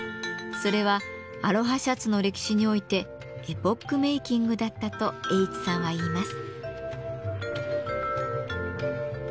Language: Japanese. それはアロハシャツの歴史においてエポックメーキングだったと英知さんはいいます。